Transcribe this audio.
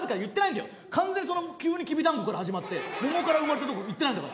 完全にその急にきび団子から始まって桃から生まれたとこ言ってないんだから。